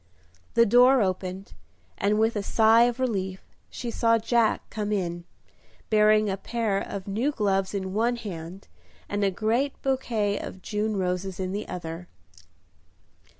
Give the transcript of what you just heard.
The door opened, and with a sigh of relief she saw Jack come in, bearing a pair of new gloves in one hand and a great bouquet of June roses in the other.